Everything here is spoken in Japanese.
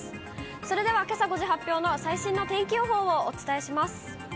それではけさ５時発表の最新の天気予報をお伝えします。